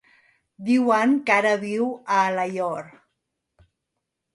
Diuen que ara viu a Alaior.